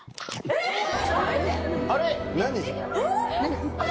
えっ！